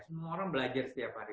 semua orang belajar setiap hari